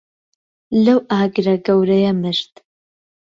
لەو ئاگرە گەورەیە مرد.